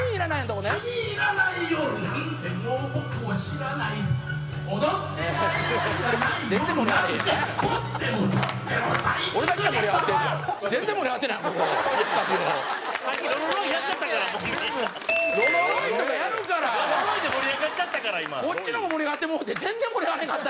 こっちの方盛り上がってもうて全然盛り上がらへんかったやん。